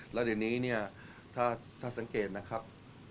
และเดี๋ยวนี้ถ้าสังเกตนะครับ